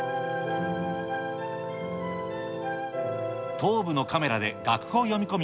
頭部のカメラで楽譜を読み込み